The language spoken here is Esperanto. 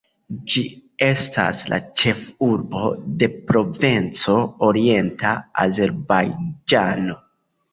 Ĝi estas la ĉefurbo de provinco Orienta Azerbajĝano.